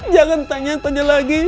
jangan tanya tanya lagi